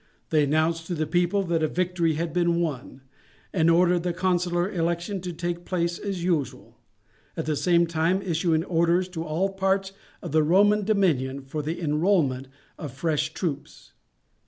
They announced to the people that a victory had been won, and ordered the consular election to take place as usual, at the same time issuing orders to all parts of the Roman dominion for the enrolment of fresh troops.